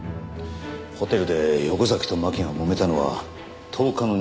ホテルで横崎と巻がもめたのは１０日の２０時。